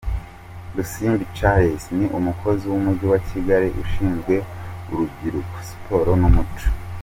Rusimbi Charles, ni umukozi w’Umujyi wa Kigali Ushinzwe Urubyiruko, Siporo n’Umuco.